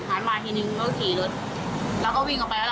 หันมาทีนึงก็ขี่รถเราก็วิ่งออกไปแล้ว